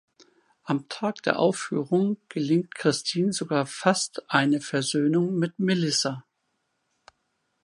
Am Tag der Aufführung gelingt Kristin sogar fast eine Versöhnung mit Melissa.